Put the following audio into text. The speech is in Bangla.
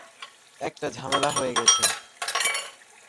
একটা ঝামেলা হয়ে গেছে।